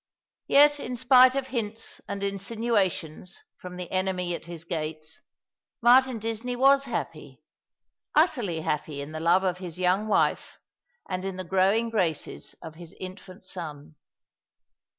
Yet in spite of hints and insinuations from the enemy at his gates, Martin Disney was happy— utterly happy in the love of his young wife, and in the growing graces of his infant son.